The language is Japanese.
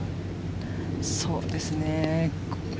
そうですね。